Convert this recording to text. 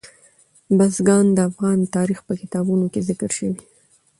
بزګان د افغان تاریخ په کتابونو کې ذکر شوی دي.